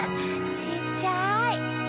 ちっちゃい！